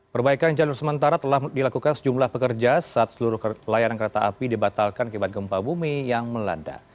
perbaikan jalur sementara telah dilakukan sejumlah pekerja saat seluruh layanan kereta api dibatalkan akibat gempa bumi yang melanda